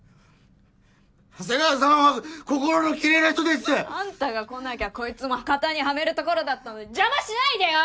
長谷川さんは心のきれいな人です！あんたが来なきゃこいつもカタにハメるところだったのに邪魔しないでよ！